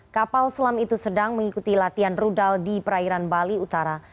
kapal selam itu sedang mengikuti latihan rudal di perairan bali utara